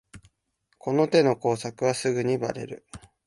この手の工作はすぐにバレる